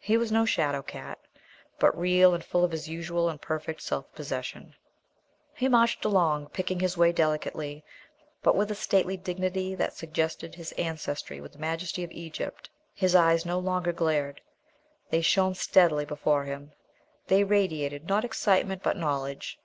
He was no shadow cat, but real and full of his usual and perfect self possession. He marched along, picking his way delicately, but with a stately dignity that suggested his ancestry with the majesty of Egypt. His eyes no longer glared; they shone steadily before him; they radiated, not excitement, but knowledge.